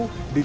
di jawa timur